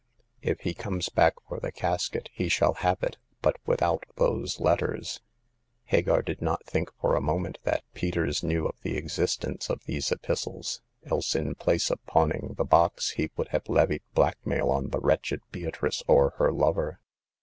If he comes back for the casket, he shall have it, but without those letters." The Ninth Customer. 235 Hagar did not think for a moment that Peters knew of the existence of these epistles, else in place of pawning the box he would have levied blackmail on the wretched Beatrice or her lover.